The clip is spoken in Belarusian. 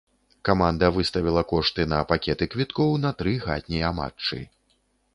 Каманда выставіла кошты на пакеты квіткоў на тры хатнія матчы.